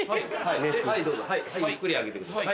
はいどうぞはいゆっくり上げてください。